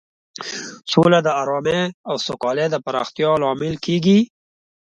سوله د ارامۍ او سوکالۍ د پراختیا لامل کیږي.